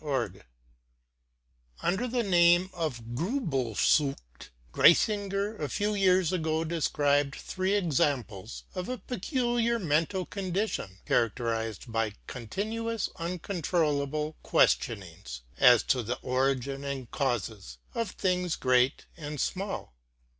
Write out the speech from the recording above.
ŌĆö Under the name GriilelsucJtt, Gric Bfflger, a few years ago, described three examples of a peculiar mental condition, characterised by continuous uncontrollable ques tionings as to the origin and causes of things great and small.